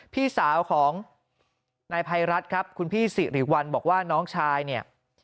พี่สาวของนายภัยรัฐครับคุณพี่สิริวัลบอกว่าน้องชายเนี่ย